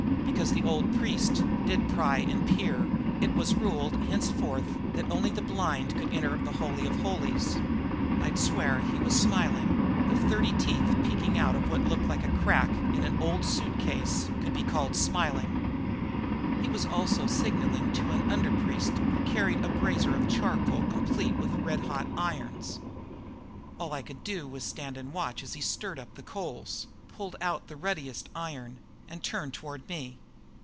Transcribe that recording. "Because the old priests did pry and peer, it was ruled henceforth that only the blind could enter the Holy of Holies." I'd swear he was smiling, if thirty teeth peeking out of what looked like a crack in an old suitcase can be called smiling. He was also signaling to him an underpriest who carried a brazier of charcoal complete with red hot irons. All I could do was stand and watch as he stirred up the coals, pulled out the ruddiest iron and turned toward me.